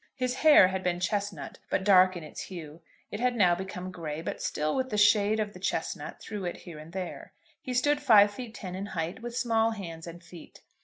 His hair had been chestnut, but dark in its hue. It had now become grey, but still with the shade of the chestnut through it here and there. He stood five feet ten in height, with small hands and feet.